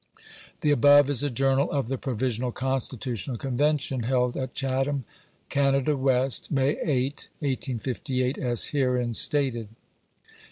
The above is a journal of .the Provisional Constitutional Convention held at Chatham, Canada West, May 8, 1858, as herein stated.